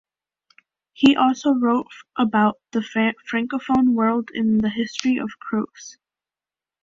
He also wrote about the Francophone world and the history of Creuse.